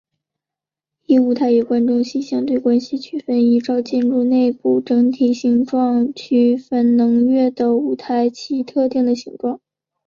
依舞台与观众席的相对关系区分依照建筑内部整体形状区分能乐的舞台有其特定的形状。